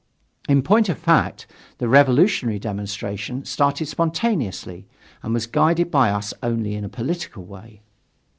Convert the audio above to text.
In point of fact, the revolutionary demonstration started spontaneously, and was guided by us only in a political way.